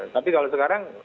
tapi kalau sekarang